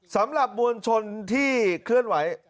สำหรับมวลชนที่เคลื่อนไหว